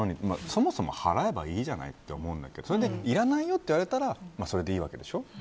そもそも払えばいいと思うんだけどいらないよって言われたらそれでいいわけでしょ。